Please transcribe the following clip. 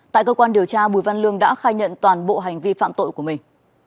tại cơ quan điều tra bùi văn lương đã khai nhận toàn bộ hành vi phạm tội của mình